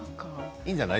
いいんじゃない？